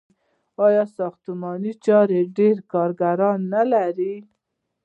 آیا ساختماني چارې ډیر کارګران نلري؟